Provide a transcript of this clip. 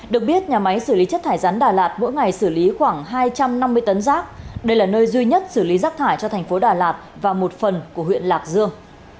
được biết nhà máy xử lý chất thải rắn đà lạt mỗi ngày xử lý khoảng hai trăm năm mươi tấn rác đây là nơi duy nhất xử lý rác thải cho thành phố đà lạt và một phần của huyện lạc dương